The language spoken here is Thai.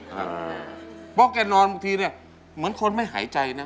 เพราะแกนอนบางทีเนี่ยเหมือนคนไม่หายใจนะ